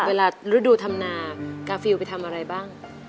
เวลาฤดูธำนากาฟิวไปทำอะไรบ้าง